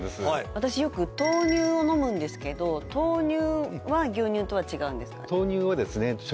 私よく豆乳を飲むんですけど豆乳は牛乳とは違うんですか？